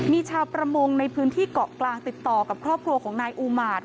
มีชาวประมงในพื้นที่เกาะกลางติดต่อกับครอบครัวของนายอูมาตร